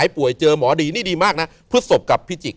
ป่วยเจอหมอดีนี่ดีมากนะพฤศพกับพิจิก